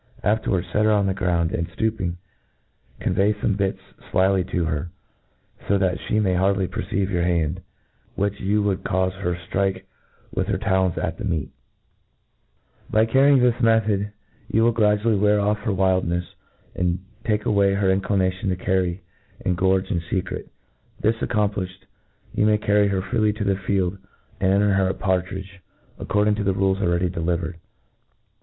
Afterwards fet her on the ground, and, ftooping, convey fomc bits flyly to her, fo that (he may hardly perceive your hand, which would ^^ufe her ftrike with her talons at the meat. By 1 tTfi A TREATISE OF By carrying on this method, you will gradual ly wear off her wildncfs, and take away her incli nation to carry and gorge in fecret. This ac compiiihed, you may carry her freely to the field, and enter her at partridge, according to the rules already delivered.